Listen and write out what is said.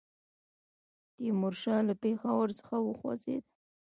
تیمورشاه له پېښور څخه وخوځېدی.